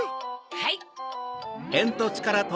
はい！